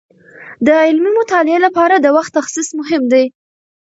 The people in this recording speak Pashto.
د علمي مطالعې لپاره د وخت تخصیص مهم دی.